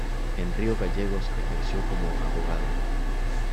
En Río Gallegos ejerció como abogada.